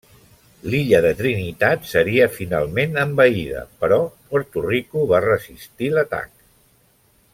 L'illa de Trinitat seria finalment envaïda però Puerto Rico va resistir l'atac.